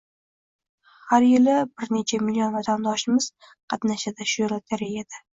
Har yili bir necha million vatandoshimiz qatnashadi shu lotoreyada.